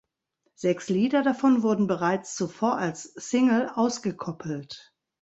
Sechs Lieder davon wurden bereits zuvor als Single ausgekoppelt.